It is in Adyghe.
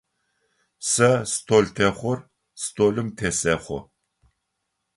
Сэ столтехъор столым тесэхъо.